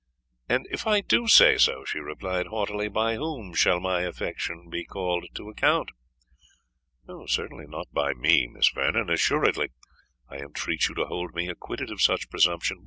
"And if I do say so," she replied haughtily, "by whom shall my affection be called to account?" [Illustration: Die Vernon and Frank in Library 234] "Not by me, Miss Vernon, assuredly I entreat you to hold me acquitted of such presumption.